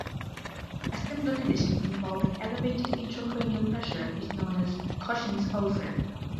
A similar condition involving elevated intracranial pressure is known as Cushing's ulcer.